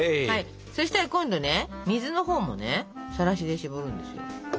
そしたら今度ね水のほうもねさらしでしぼるんですよ。